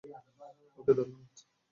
ওকে, ধন্যবাদ।